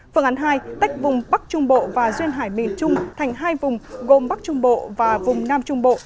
phương án hai tách vùng bắc trung bộ và duyên hải miền trung thành hai vùng gồm bắc trung bộ và vùng nam trung bộ